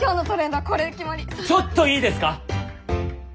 ちょっといいですか？